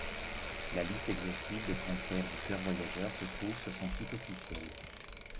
La liste exhaustive des concerts du Chœur Voyageur se trouve sur son site officiel.